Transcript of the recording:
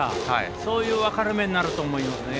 そういうことになると思います。